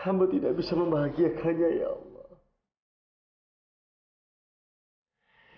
hamba tidak bisa membahagiakannya ya allah